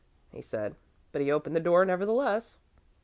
he said, but he opened the door nevertheless.